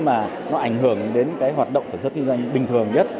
mà nó ảnh hưởng đến cái hoạt động sản xuất kinh doanh bình thường nhất